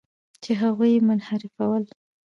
چې هغوی یې منحرفول.